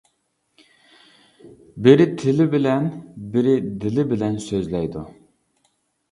بىرى تىلى بىلەن، بىرى دىلى بىلەن سۆزلەيدۇ.